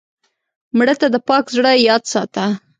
مړه ته د پاک زړه یاد ساته